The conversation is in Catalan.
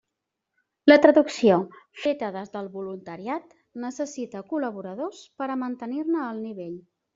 La traducció, feta des del voluntariat, necessita col·laboradors per a mantenir-ne el nivell.